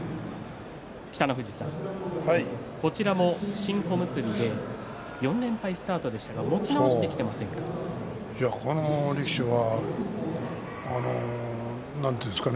北の富士さん、こちらも新小結で４連敗スタートでしたがこの力士はなんていうんですかね